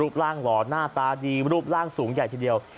พอดีรูปร่างสูงใหญ่ทีเดียว